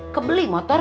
kebeli motor tiga